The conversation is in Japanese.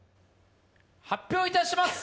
発表いたします